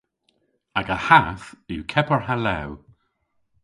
Aga hath yw kepar ha lew.